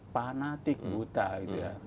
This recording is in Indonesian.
fanatik buta gitu ya